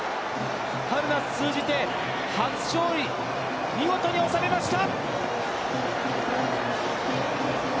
春夏通じて初勝利、見事におさめました。